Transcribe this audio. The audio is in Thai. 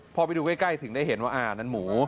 พอไปดูใกล้ถึงได้เห็นว่าอ่านั่นหมู